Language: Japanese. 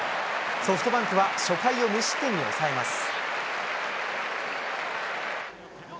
ソフトバンクは初回を無失点に抑えます。